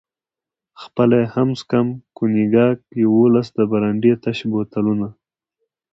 خپله یې هم څښم، کونیګاک، یوولس د برانډي تش بوتلونه.